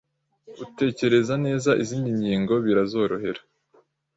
utekereza neza, izindi ngingo birazorohera